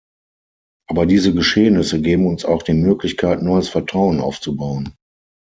Aber diese Geschehnisse geben uns auch die Möglichkeit, neues Vertrauen aufzubauen.